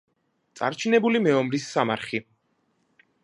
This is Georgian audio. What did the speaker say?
წარჩინებული მეომრის სამარხი.